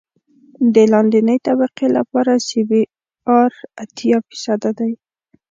د لاندنۍ طبقې لپاره سی بي ار اتیا فیصده دی